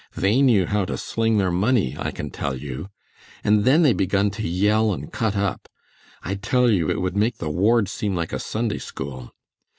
They knew how to sling their money, I can tell you. And then they begun to yell and cut up. I tell you it would make the Ward seem like a Sunday school.